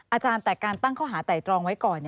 อาจารย์แต่การตั้งข้อหาไต่ตรองไว้ก่อน